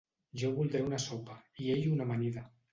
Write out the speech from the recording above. Jo voldré una sopa i ell una amanida.